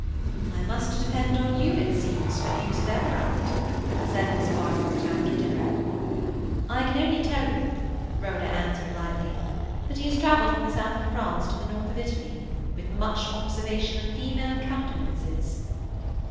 "I must depend on you, it seems, for news of Everard," said Miss Barfoot after dinner. "I can only tell you," Rhoda answered lightly, "that he has travelled from the south of France to the north of Italy, with much observation of female countenances."